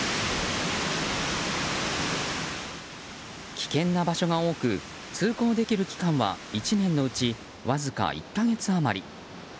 危険な場所が多く通行できる期間は１年のうちわずか１か月余り。